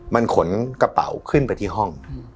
มันขนกระเป๋าขึ้นไปที่ห้อง